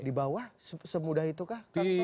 di bawah semudah itu kang sob